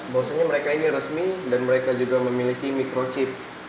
bahwasanya mereka ini resmi dan mereka juga memiliki microchip